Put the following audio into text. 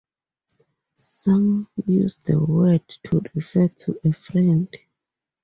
Some use the word to refer to a friend.